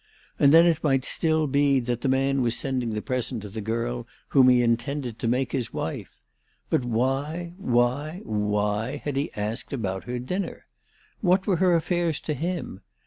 And then it might still be that the man was sending the present to the girl whom he intended to make his wife. But why why why, had he asked about her dinner ? What were her affairs to him